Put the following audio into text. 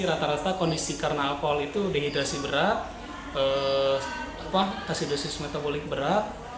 rata rata kondisi karena alkohol itu dehidrasi berat kasih dosis metabolik berat